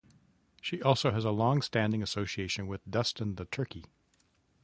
She also has a long-standing association with Dustin the Turkey.